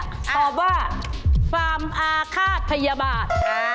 ตอบว่าฟาร์มอาฆาตพยาบาท